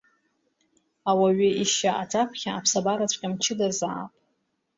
Ауаҩы ишьа аҿаԥхьа аԥсабараҵәҟьа мчыдазаап.